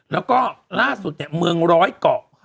แล้วก็ล่าสุดเนี่ยเมืองร้อยเกาะ